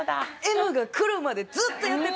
Ｍが来るまでずっとやってて。